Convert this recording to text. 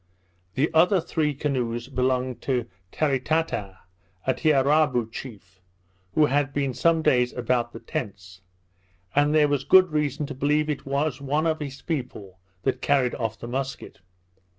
The other three canoes belonged to Maritata, a Tiarabou chief, who had been some days about the tents; and there was good reason to believe it was one of his people that carried off the musket.